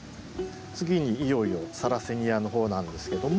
次にいよいよサラセニアの方なんですけども。